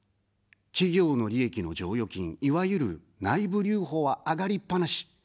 企業の利益の剰余金、いわゆる内部留保は上がりっぱなし。